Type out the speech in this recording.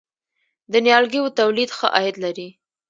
د نیالګیو تولید ښه عاید لري؟